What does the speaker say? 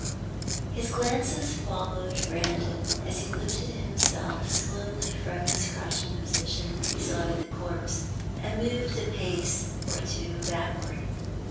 His glances followed Brandon as he lifted himself slowly from his crouching position beside the corpse, and moved a pace or two backward.